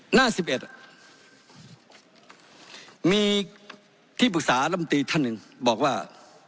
หน้า๑๑มีที่ปรึกษาลำตีท่านหนึ่งบอกว่า